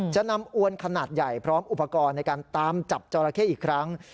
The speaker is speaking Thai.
จะนำอวนขนาดใหญ่พร้อมอุปกรณ์ในการตามจับจอราเข้อีกครั้ง